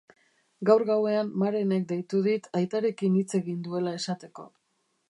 Gaur gauean Marenek deitu dit aitarekin hitz egin duela esateko.